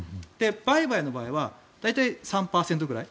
売買の場合は大体３％ぐらい。